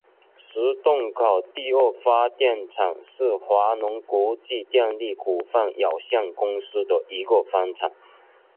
石洞口第二发电厂是华能国际电力股份有限公司的一个分厂。